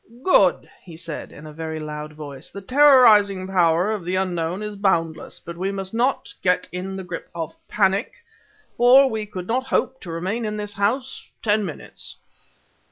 "Good!" he said in a very low voice. "The terrorizing power of the Unknown is boundless, but we must not get in the grip of panic, or we could not hope to remain in this house ten minutes."